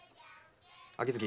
秋月。